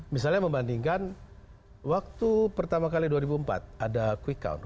misalnya membandingkan waktu pertama kali dua ribu empat ada quick count